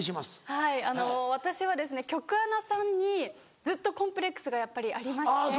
はい私は局アナさんにずっとコンプレックスがやっぱりありまして。